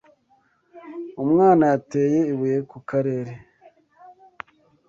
Umwana yateye ibuye kukarere.